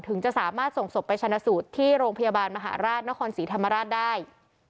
จะสามารถส่งศพไปชนะสูตรที่โรงพยาบาลมหาราชนครศรีธรรมราชได้